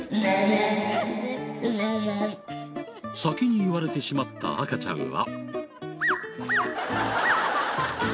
先に言われてしまった赤ちゃんは。